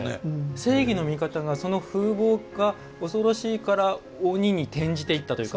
正義の味方がその風貌が恐ろしいから鬼に転じていったというか。